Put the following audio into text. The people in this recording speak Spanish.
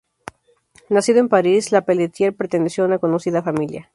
Nacido en París, le Peletier perteneció a una conocida familia.